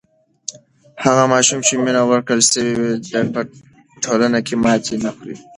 هغه ماشوم چې مینه ورکړل سوې ده په ټولنه کې ماتی نه خوری.